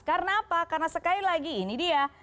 karena apa karena sekali lagi ini dia